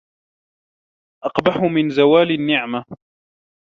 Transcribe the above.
أقبح من زوال النعمة